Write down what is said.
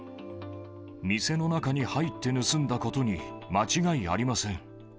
店の中に入って盗んだことに間違いありません。